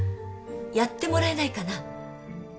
やってもらえないかな？